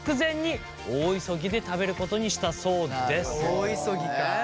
大急ぎか。